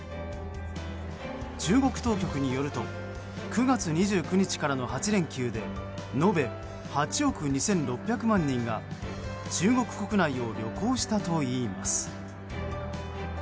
中国当局によると９月２９日からの８連休で延べ８億２６００万人が中国国内を旅行したといいます。